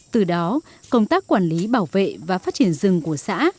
từ đó công tác quản lý bảo vệ và phát triển rừng của xã